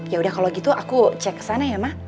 ya udah kalau gitu aku cek ke sana ya mak